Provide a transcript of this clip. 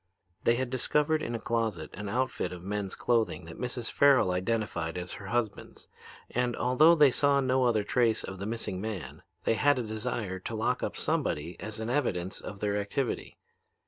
"They had discovered in a closet an outfit of men's clothing that Mrs. Farrel identified as her husband's, and, although they saw no other trace of the missing man, they had a desire to lock up somebody as an evidence of their activity.